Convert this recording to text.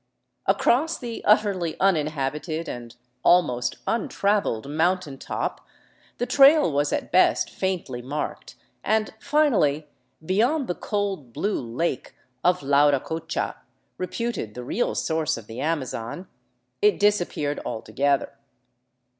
Across the utterly uninhabited and almost untraveled mountain top the trail was at best faintly marked, and finally, beyond the cold, blue lake of Lauracocha, reputed the real source of the Amazon, it disappeared alto gether.